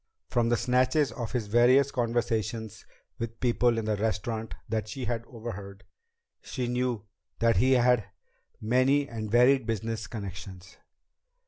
From the snatches of his various conversations with people in the restaurant that she had overheard, she knew that he had many and varied business connections.